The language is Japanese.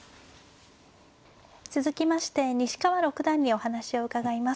続きまして西川六段にお話を伺います。